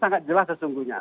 sangat jelas sesungguhnya